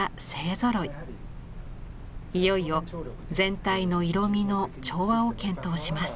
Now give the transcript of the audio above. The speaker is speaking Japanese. いよいよ全体の色みの調和を検討します。